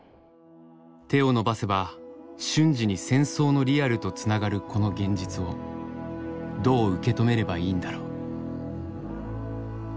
手を伸ばせば瞬時に戦争のリアルとつながるこの現実をどう受け止めればいいんだろう？